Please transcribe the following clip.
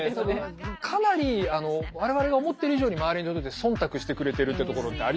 かなり我々が思ってる以上に周りの人って忖度してくれてるってところってありますよね。